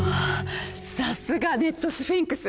さすがネットスフィンクス。